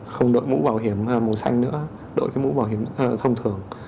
không đội mũ bảo hiểm màu xanh nữa đội cái mũ bảo hiểm thông thường